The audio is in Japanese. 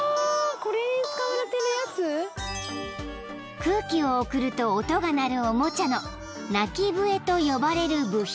［空気を送ると音が鳴るおもちゃの鳴き笛と呼ばれる部品］